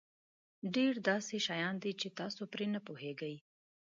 ډېر داسې شیان دي چې تاسو پرې نه پوهېږئ.